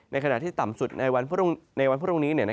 ขณะที่ต่ำสุดในวันพรุ่งนี้